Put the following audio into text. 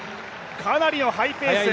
かなりのハイペース。